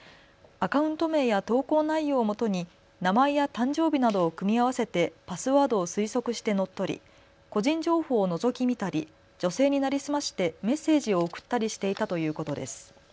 アカウント名や投稿内容をもとに名前や誕生日などを組み合わせてパスワードを推測して乗っ取り個人情報をのぞき見たり女性に成り済ましてメッセージを送ったりしていたということです。